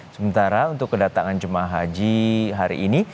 sementara untuk kedatangan jemaah haji hari ini